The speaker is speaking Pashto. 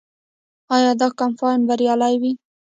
آیا دا کمپاین بریالی و؟